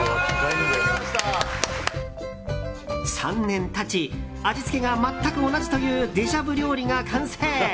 ３年経ち味付けが全く同じというデジャブ料理が完成！